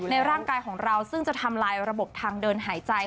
ร่างกายของเราซึ่งจะทำลายระบบทางเดินหายใจ